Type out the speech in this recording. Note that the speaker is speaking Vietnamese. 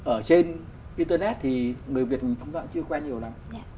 ở trên internet thì người việt chúng ta chưa quen nhiều lắm